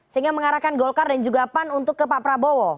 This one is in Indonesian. sehingga mengarahkan golkar dan juga pan untuk ke pak prabowo